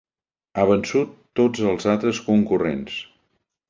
Ha vençut tots els altres concurrents.